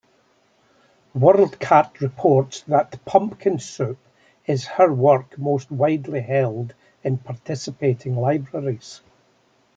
WorldCat reports that "Pumpkin Soup" is her work most widely held in participating libraries.